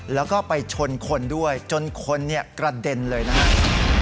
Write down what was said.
แล้วก็ไปชนคนด้วยจนคนเนี่ยกระเด็นเลยนะครับ